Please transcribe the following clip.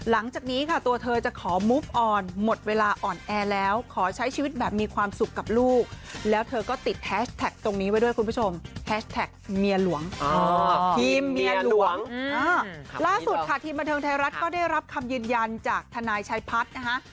ล่าสุดค่ะทีมบันเทิงไทยรัฐก็ได้รับคำยืนยันจากทนายชายพัฒน์นะฮะ